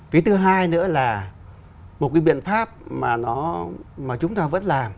phía thứ hai nữa là một cái biện pháp mà chúng ta vẫn làm